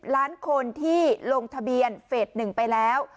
ล้านคนที่ลงทะเบียนเฟส๑ไปแล้ว